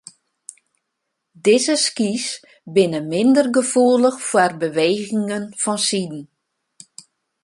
Dizze skys binne minder gefoelich foar bewegingen fansiden.